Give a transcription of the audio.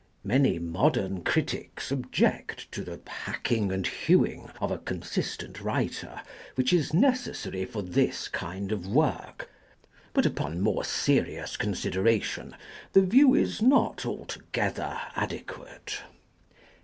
Many modern critics object to the hacking and hewing of a consistent writer which is necessary for this kind of work, but upon more serious consideration, the view is not altogether adequate.